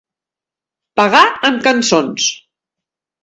Pagar amb cançons.